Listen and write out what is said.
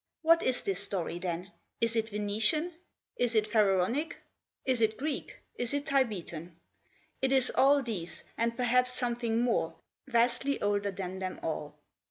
What is this story then? Is it Venetian? Is it Pharaonic? Is it Greek? Is it Tibetan? It is all these, and perhaps some thing more, vastly older than them all.